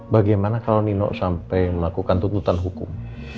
bagaimana kalau nino sampai melakukan tuntutan hukum